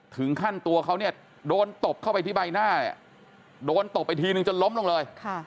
ถึงขั้นตัวเขาเนี่ยโดนตบเข้าไปที่ใบหน้าเนี่ยโดนตบไปทีนึงจนล้มลงเลย